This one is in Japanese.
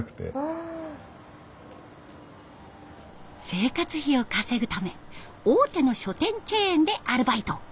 生活費を稼ぐため大手の書店チェーンでアルバイト。